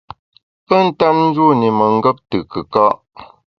Pe ntap njûn i mengap te kùka’.